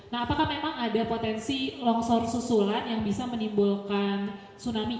nah apakah memang ada potensi longsor susulan yang bisa menimbulkan tsunami